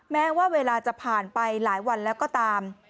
แม้ว่าเวลาจะผ่านไปหลายวันแล้วก็ตาม